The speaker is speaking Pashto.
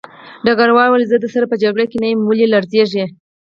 ډګروال وویل زه درسره په جګړه کې نه یم ولې لړزېږې